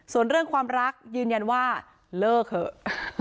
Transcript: ส่วนเรื่องความรักยืนยันว่าเลิกเถอะ